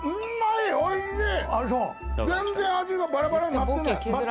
全然味がバラバラになってない！